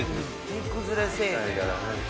煮崩れせえへん。